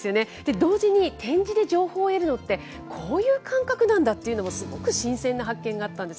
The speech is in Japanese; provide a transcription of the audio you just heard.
同時に点字で情報を得るのって、こういう感覚なんだっていうのもすごく新鮮な発見があったんです。